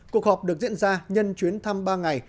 cuộc họp được diễn ra nhân chuyến thăm ba ngày